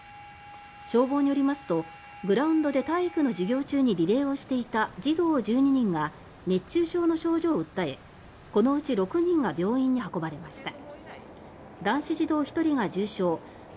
消防によりますとグラウンドで体育の授業中にリレーをしていた児童１２人が熱中症の症状を訴えこのうち６人が病院に運ばれました。